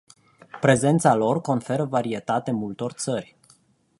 Prezența lor conferă varietate multor țări.